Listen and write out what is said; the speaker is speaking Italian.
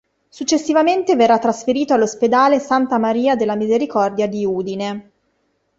Successivamente verrà trasferito all'ospedale Santa Maria della Misericordia di Udine.